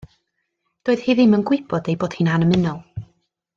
Doedd hi ddim yn gwybod ei bod hi'n annymunol.